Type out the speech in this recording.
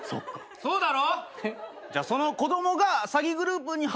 そうだろ！